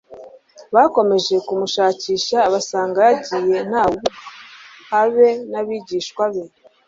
Bakomeje kumushakisha, basanga yagiye ntawe ubizi haba n’abigishwa be